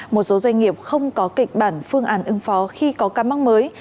một số doanh nghiệp không có kịch bản phương án ứng phó khi có ca mắc mới